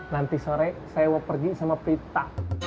nanti sore saya mau pergi sama pita